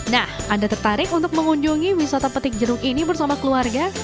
nah anda tertarik untuk mengunjungi wisata petik jeruk ini bersama keluarga